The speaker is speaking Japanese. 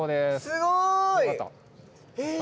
すごい。